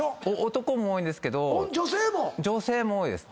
男も多いんですけど女性も多いです。